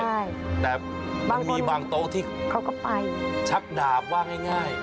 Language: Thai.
ใช่บางคนเขาก็ไปแต่มันมีบางโต๊ะที่ชักดาบว่างให้ง่าย